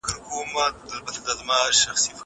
هغه وويل چي لوښي مينځل مهم دي!